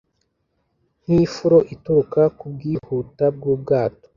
Nkifuro ituruka kubwihuta bwubwato